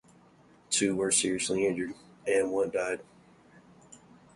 Two were seriously injured, and one died.